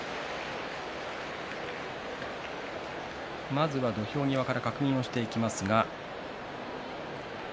まずは土俵際から確認していきます。